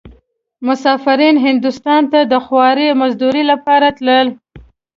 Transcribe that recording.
مسافرين هندوستان ته د خوارۍ مزدورۍ لپاره تلل.